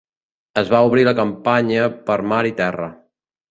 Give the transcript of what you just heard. Es va obrir la campanya per mar i terra.